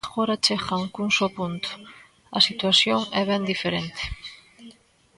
Agora chegan cun só punto, a situación é ben diferente.